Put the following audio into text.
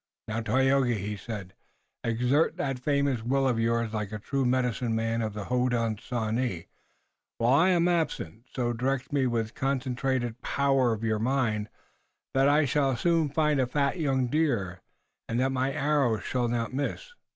"Now, Tayoga," he said, "exert that famous will of yours like a true medicine man of the Hodenosaunee. While I am absent, so direct me with the concentrated power of your mind that I shall soon find a fat young deer, and that my arrow shall not miss.